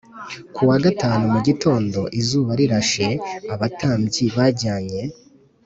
Ku wa gatanu mu gitondo izuba rirashe abatambyi bajyanye